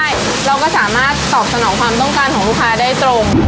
ใช่เราก็สามารถตอบสนองความต้องการของลูกค้าได้ตรง